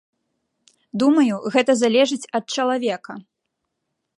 Думаю, гэта залежыць ад чалавека!